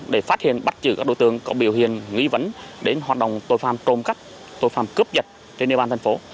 để phát hiện bắt chữ các đối tượng có biểu hiện nghi vấn đến hoạt động tội phạm trộm cấp tội phạm cướp dịch trên địa bàn thành phố